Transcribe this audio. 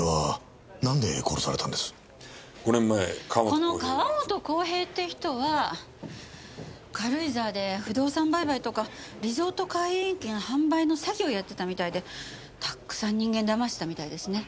この川本浩平って人は軽井沢で不動産売買とかリゾート会員権販売の詐欺をやってたみたいでたくさん人間だましてたみたいですね。